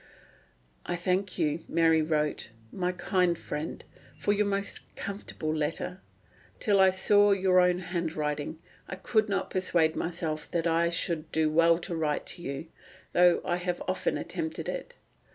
"I thank you," Mary wrote, "my kind friend, for your most comfortable letter; till I saw your own handwriting I could not persuade myself that I should do well to write to you, though I have often attempted it....